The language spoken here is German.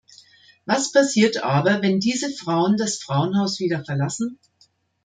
Was passiert aber, wenn diese Frauen das Frauenhaus wieder verlassen?